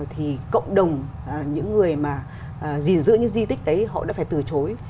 thì cộng đồng những người mà gìn giữ những di tích ấy họ đã phải từ chối